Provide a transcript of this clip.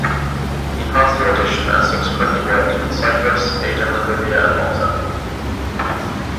He passed the audition and subsequently worked in Cyprus, Aden, Libya and Malta.